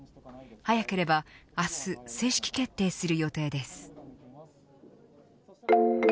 早ければ明日正式決定する予定です。